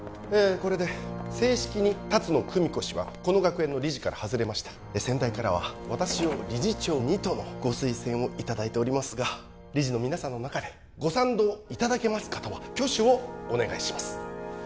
これで正式に龍野久美子氏はこの学園の理事から外れました先代からは私を理事長にとのご推薦をいただいておりますが理事の皆さんの中でご賛同いただけます方は挙手をお願いします